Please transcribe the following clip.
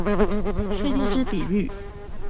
確定之比率